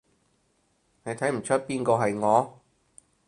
你睇唔岀邊個係我？